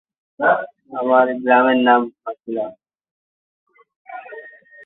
এটি তার প্রথম মালয়ালম চলচ্চিত্র ছিল।